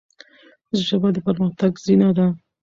ژبه د پرمختګ زینه ده.